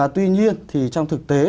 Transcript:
tuy nhiên thì trong thực tế